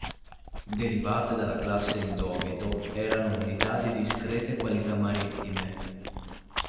Derivate dalla classe Indomito, erano unità di discrete qualità marittime.